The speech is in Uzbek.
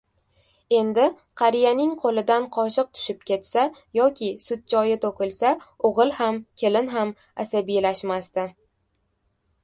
Endi qariyaning qoʻlidan qoshiq tushib ketsa yoki sutchoyi toʻkilsa, oʻgʻil ham, kelin ham asabiylashmasdi.